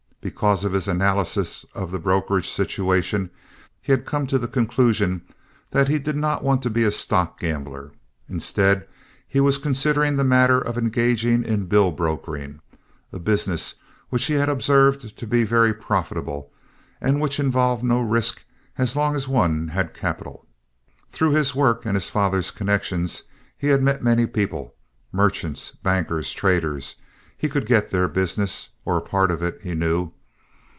Because of his analysis of the brokerage situation he had come to the conclusion that he did not want to be a stock gambler. Instead, he was considering the matter of engaging in bill brokering, a business which he had observed to be very profitable and which involved no risk as long as one had capital. Through his work and his father's connections he had met many people—merchants, bankers, traders. He could get their business, or a part of it, he knew.